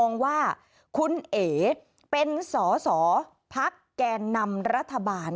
ว่าคุณเอ๋เป็นสอสอพักแก่นำรัฐบาล